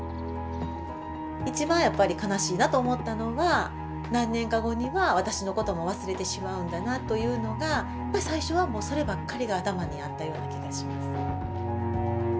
一番やっぱり悲しいなと思ったのは、何年か後には、私のことも忘れてしまうんだなというのが、最初はもう、そればっかりが頭にあったような気がします。